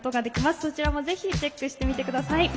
そちらもぜひチェックしてみてください。